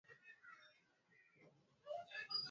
Someni kwa bidii.